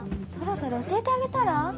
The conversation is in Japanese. そろそろ教えてあげたら？